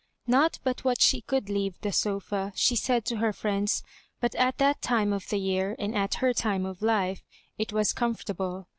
Not but what she could leave the S0&, she said to her friends, but at that time of the year, and at her time of life, it was comfort able.